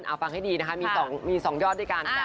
เอาฟังให้ดีนะคะมี๒ยอดด้วยกัน